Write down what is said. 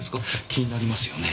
気になりますよね？